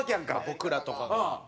僕らとかが。